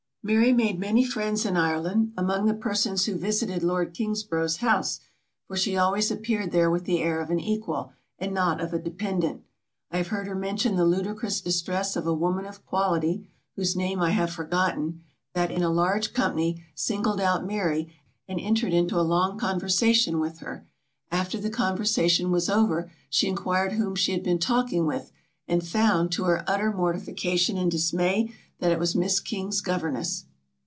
Mary made many friends in Ireland, among the persons who visited lord Kingsborough's house, for she always appeared there with the air of an equal, and not of a dependent. I have heard her mention the ludicrous distress of a woman of quality, whose name I have forgotten, that, in a large company, singled out Mary, and entered into a long conversation with her. After the conversation was over, she enquired whom she had been talking with, and found, to her utter mortification and dismay, that it was Miss King's governess.